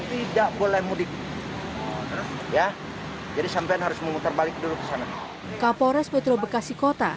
tidak boleh mudik ya jadi sampean harus memutar balik dulu ke sana kapolres metro bekasi kota